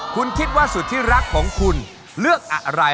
คุณคิดว่าสุดที่รักของคุณเลือกอะไร